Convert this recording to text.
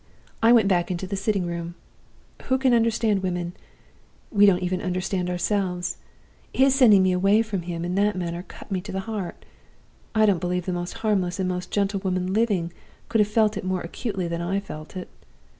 "I went back into the sitting room. Who can understand women? we don't even understand ourselves. His sending me away from him in that manner cut me to the heart. I don't believe the most harmless and most gentle woman living could have felt it more acutely than I felt it.